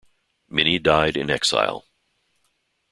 Many died in exile.